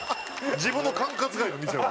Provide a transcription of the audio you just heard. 自分の管轄外の店は。